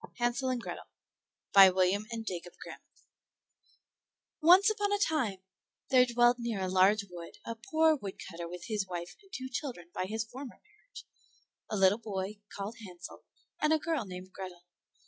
HANSEL AND GRETHEL By William and Jacob Grimm Once upon a time there dwelt near a large wood a poor woodcutter with his wife and two children by his former marriage, a little boy called Hansel and a girl named Grethel.